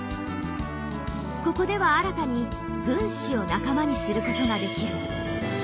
ここでは新たに軍師を仲間にすることができる。